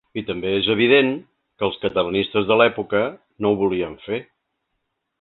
I també és evident que els catalanistes de l’època no ho volien fer.